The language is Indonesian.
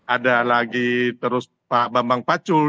ada lagi terus pak bambang pacul